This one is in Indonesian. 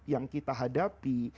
yang kita hadapi